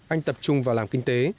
anh tập trung vào làm kinh tế